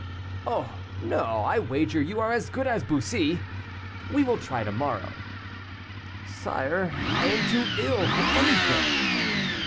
"Oh! no, I wager you are as good as Bussy. We will try to morrow." "Sire, I am too ill for anything."